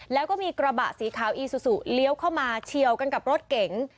แล้วก็มีกระบะสีขาวอีซูซูเลี้ยวเข้ามาเฉียวกันกับรถเก๋ง